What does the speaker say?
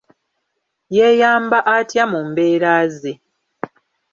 Yeeyamba atya mu mbeera ze?